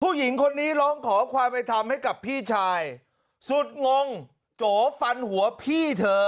ผู้หญิงคนนี้ร้องขอความเป็นธรรมให้กับพี่ชายสุดงงโจฟันหัวพี่เธอ